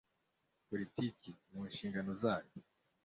politiki mu nshingano zayo